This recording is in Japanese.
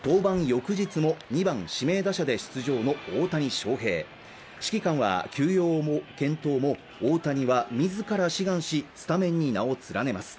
翌日も２番・指名打者で出場の大谷翔平指揮官は休養も検討も大谷は自ら志願しスタメンに名を連ねます